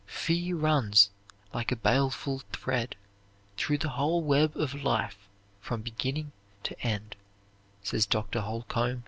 "Fear runs like a baleful thread through the whole web of life from beginning to end," says Dr. Holcomb.